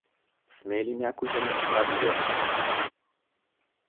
Смей ли някой да ни направи зло?